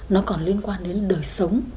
nó còn liên quan đến đời sống